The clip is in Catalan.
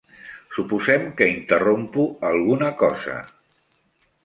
Suposem que interrompo alguna cosa.